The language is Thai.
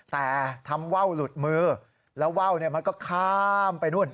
แต่ทำว่าวหลุดมือแล้วว่าวมันก็ข้ามไปนู่น